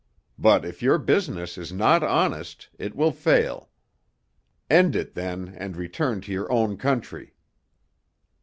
But if your business is not honest it will fail. End it then and return to your own country."